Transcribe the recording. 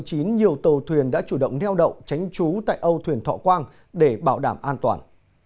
nhiều tàu thuyền đã chủ động neo đậu tránh trú tại âu thuyền thọ quang để bảo đảm an toàn